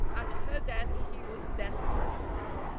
At her death he was desolate.